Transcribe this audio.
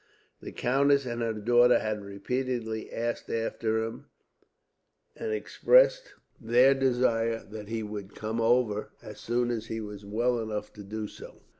The countess and her daughter had repeatedly asked after him, and expressed their desire that he would come over, as soon as he was well enough to do so.